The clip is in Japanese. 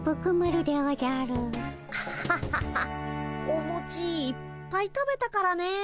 おもちいっぱい食べたからねえ。